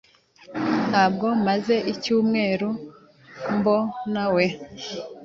Ntabwo maze icyumweru mbonawe .